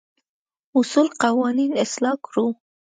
اصول قوانين اصلاح کړو.